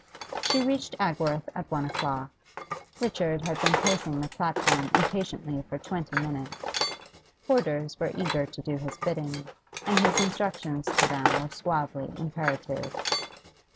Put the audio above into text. She reached Agworth at one o'clock; Richard had been pacing the platform impatiently for twenty minutes. Porters were eager to do his bidding, and his instructions to them were suavely imperative.